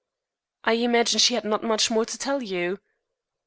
"I imagine she had not much more to tell you?"